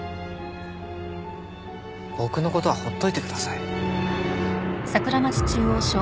僕の事はほっといてください。